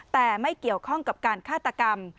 แต่ไม่เกี่ยวข้องกับการฆาตกรรม